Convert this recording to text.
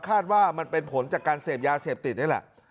คาดว่ามันเป็นผลจากการเสพยาเสพติดนี่แหละ